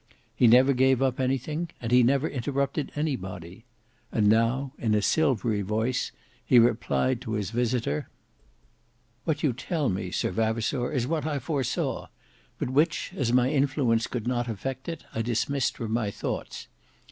He never gave up anything, and he never interrupted anybody. And now in a silvery voice he replied to his visitor: "What you tell me, Sir Vavasour, is what I foresaw, but which, as my influence could not affect it, I dismissed from my thoughts.